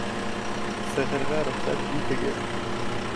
Сығырға рөхсәт итегеҙ